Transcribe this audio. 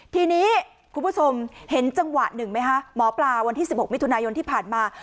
ทีนี้คุณผู้ชมเห็นจังหวะหนึ่งไหมคะหมอปลาวันที่๑๖มิถุนายนที่ผ่านมา